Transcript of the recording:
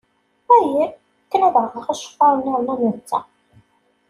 Ayen? Akken ad aɣeɣ aceffar niḍen am netta?